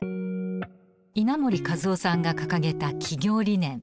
稲盛和夫さんが掲げた企業理念。